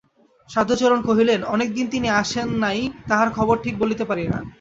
সাধুচরণ কহিলেন, অনেকদিন তিনি আসেন নাই–তাঁহার খবর ঠিক বলিতে পারি না।